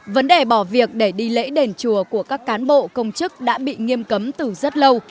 vấn đề bỏ việc để đi lễ đền chùa của các cán bộ công chức đã bị nghiêm cấm từ rất lâu